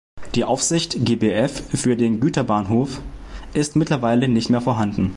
Die Aufsicht "Gbf" für den Güterbahnhof ist mittlerweile nicht mehr vorhanden.